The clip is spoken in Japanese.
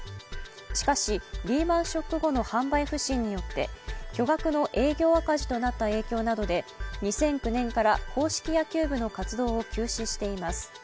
しかしリーマン・ショック後の販売不振によって巨額の営業赤字となった影響などで２００９年から硬式野球部の活動を休止しています